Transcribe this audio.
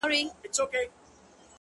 والله ه چي په تا پسي مي سترگي وځي؛